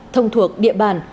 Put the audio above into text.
thông thuộc địa bàn